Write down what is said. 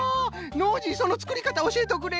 ノージーそのつくりかたおしえとくれ！